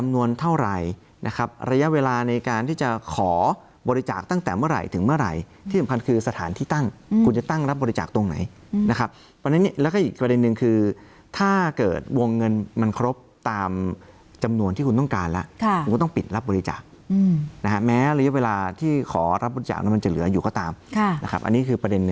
นะครับระยะเวลาในการที่จะขอบริจาคตั้งแต่เมื่อไหร่ถึงเมื่อไหร่ที่สำคัญคือสถานที่